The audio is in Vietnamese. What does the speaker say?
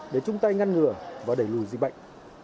để chung tay ngăn ngừa và đẩy lùi dịch bệnh